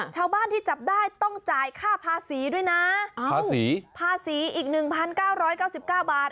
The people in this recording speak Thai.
ชาวบ้านที่จับได้ต้องจ่ายค่าภาษีด้วยน่ะภาษีภาษีอีกหนึ่งพันเก้าร้อยเก้าสิบเก้าบาท